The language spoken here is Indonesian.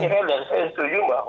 saya kira dan saya setuju bahwa